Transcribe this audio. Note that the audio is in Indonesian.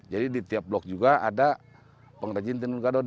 jadi di tiap blok juga ada pengrajin tenun gadot